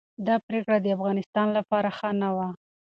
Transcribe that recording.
دا پریکړه د افغانستان لپاره ښه نه وه.